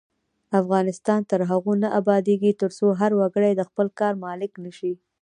افغانستان تر هغو نه ابادیږي، ترڅو هر وګړی د خپل کار مالک نشي.